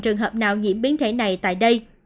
trường hợp nào nhiễm biến thể này tại đây